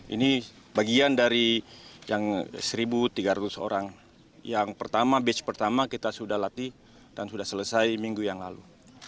ini bagian dari yang satu tiga ratus orang yang pertama batch pertama kita sudah latih dan sudah selesai minggu yang lalu